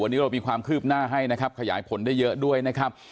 วันนี้เรามีความคืบหน้าให้นะครับขยายผลได้เยอะด้วยนะครับ